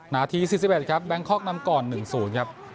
นาทีสิบสิบเอ็ดครับแบงคอกนำก่อนหนึ่งศูนย์นะครับ